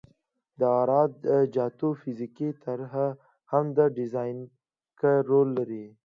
د عراده جاتو فزیکي طرح هم په ډیزاین کې رول لري